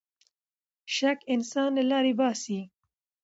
شک انسان له لارې باسـي.